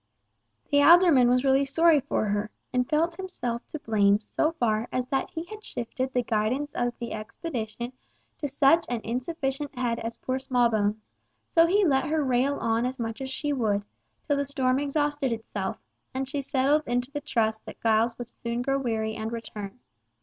The alderman was really sorry for her, and felt himself to blame so far as that he had shifted the guidance of the expedition to such an insufficient head as poor Smallbones, so he let her rail on as much as she would, till the storm exhausted itself, and she settled into the trust that Giles would soon grow weary and return.